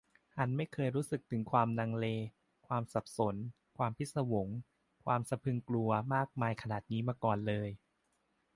ฮันไม่เคยรู้สึกถึงความลังเล ความสับสน ความพิศวง ความสะพรึงกลัวมากมายขนาดนี้มาก่อนเลย